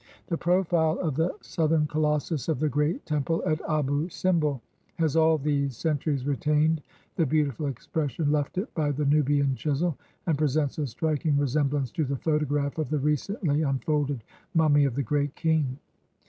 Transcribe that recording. The profile of the southern colossus of the Great Temple at Abou Simbel has all these centuries retained the beautiful expression left it by the Nubian chisel, and presents a striking resemblance to the photograph of the recently unfolded mummy of the great king.